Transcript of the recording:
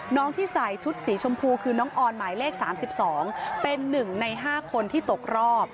น้องที่ใส่ชุดสีชมพูคือน้องออนหมายเลขสามสิบสองเป็นหนึ่งในห้าคนที่ตกรอบ